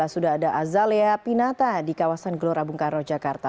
sudah ada azalea pinata di kawasan gelora bungkaro jakarta